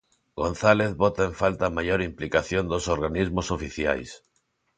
González bota en falta maior implicación dos organismos oficiais.